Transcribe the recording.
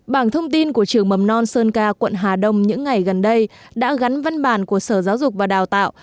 bảng thông tin của trường mầm non sơn ca quận hà đông những ngày gần đây đã gắn văn bản của sở giáo dục và đào tạo